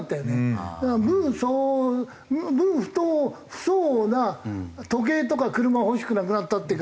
分相応分不相応な時計とか車を欲しくなくなったっていうか。